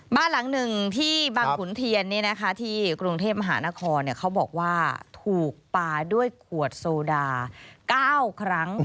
บ้านหลังหนึ่งที่บางขุนเทียนที่กรุงเทพมหานครเขาบอกว่าถูกปลาด้วยขวดโซดา๙ครั้ง